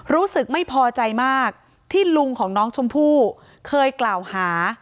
รู้สึกไม่พอใจมากที่ลุงของน้องชมพู่เคยกล่าวหา